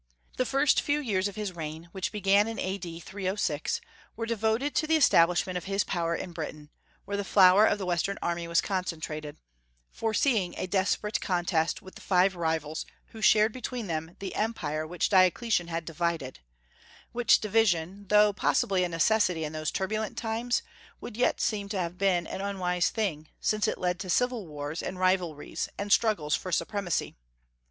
The first few years of his reign, which began in A.D. 306, were devoted to the establishment of his power in Britain, where the flower of the Western army was concentrated, foreseeing a desperate contest with the five rivals who shared between them the Empire which Diocletian had divided; which division, though possibly a necessity in those turbulent times, would yet seem to have been an unwise thing, since it led to civil wars and rivalries, and struggles for supremacy.